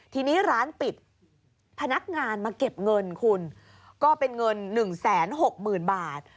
ทีนี้ร้านปิดพนักงานมาเก็บเงินคุณก็เป็นเงิน๑๖๐๐๐บาท